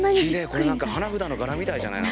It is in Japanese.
これ何か花札の柄みたいじゃない？